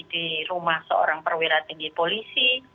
di rumah seorang perwira tinggi polisi